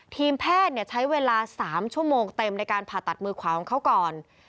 ทีมแพทย์ใช้เวลา๓ชั่วโมงเต็มในการผ่าตัดมือขวาของเขาก่อน